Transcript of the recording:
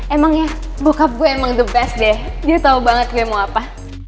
emangnya bokap gue emang the best deh dia tau banget gue mau apa